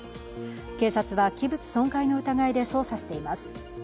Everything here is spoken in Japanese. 警察は、器物損壊の疑いで捜査しています。